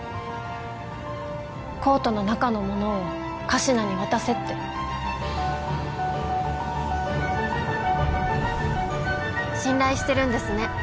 コートの中のものを神志名に渡せって信頼してるんですね